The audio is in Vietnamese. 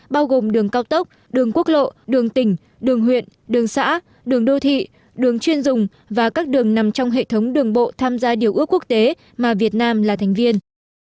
bao gồm đường cao tốc đường quốc lộ đường tỉnh đường huyện đường xã đường đô thị đường chuyên dùng và các đường nằm trong hệ thống đường bộ tham gia điều ước quốc tế mà việt nam là thành viên